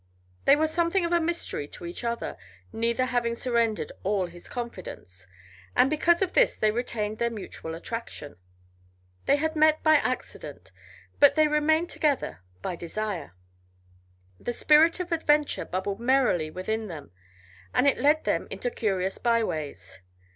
They were something of a mystery to each other, neither having surrendered all his confidence, and because of this they retained their mutual attraction. They had met by accident, but they remained together by desire. The spirit of adventure bubbled merrily within them, and it led them into curious byways.